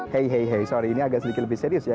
hey hey hey sorry ini agak sedikit lebih serius ya